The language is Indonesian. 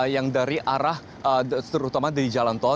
yang dari arah terutama dari jalan tol